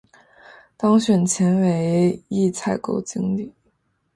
当选前为一采购经理。